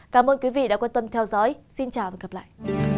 cảm ơn quý vị đã quan tâm theo dõi xin chào và hẹn gặp lại